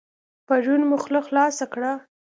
پرون مو خوله خلاصه کړه.